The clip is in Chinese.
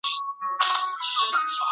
目前全市人口中依然是藏族居多数。